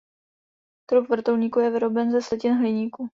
Trup vrtulníku je vyroben ze slitin hliníku.